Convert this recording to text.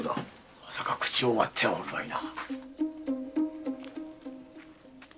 まさか口を割ってはおるまいな？